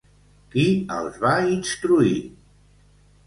Qui els va instruir?